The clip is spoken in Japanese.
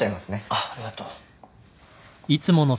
あっありがとう。